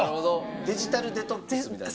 デジタルデトックスみたいな？